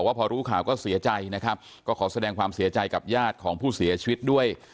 พอรู้ข่าวก็เสียใจนะครับก็ขอแสดงความเสียใจกับญาติของผู้เสียชีวิตด้วย